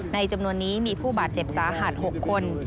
จำนวนนี้มีผู้บาดเจ็บสาหัส๖คน